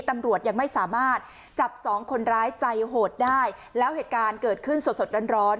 ตำรวจยังไม่สามารถจับสองคนร้ายใจโหดได้แล้วเหตุการณ์เกิดขึ้นสดสดร้อนร้อน